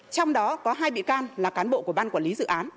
trong đó có hai bị can là cán bộ của ban quản lý